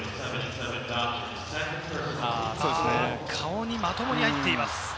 顔にまともに入っています。